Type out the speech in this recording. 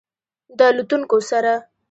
د الوتونکو سره